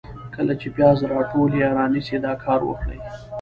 کله چي پیاز راټول یا رانیسئ ، دا کار وکړئ: